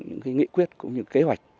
những nghị quyết cũng như kế hoạch